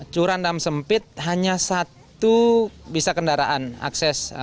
curan dan sempit hanya satu bisa kendaraan akses